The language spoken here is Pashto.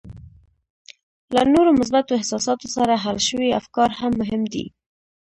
له نورو مثبتو احساساتو سره حل شوي افکار هم مهم دي